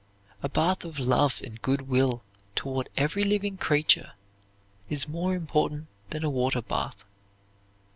A bath of love and good will toward every living creature is more important than a water bath.